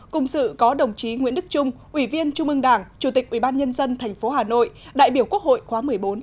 cùng sự có đồng chí nguyễn đức trung ủy viên trung ương đảng chủ tịch ubnd tp hà nội đại biểu quốc hội khóa một mươi bốn